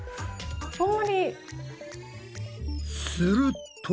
すると。